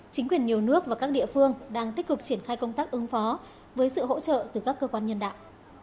chính quyền nhiều nước và các địa phương đang tích cực triển khai công tác ứng phó với sự hỗ trợ từ các cơ quan nhân đạo